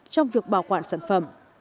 trong việc bảo quản sản phẩm